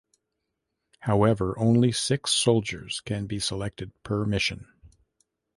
However, only six soldiers can be selected per mission.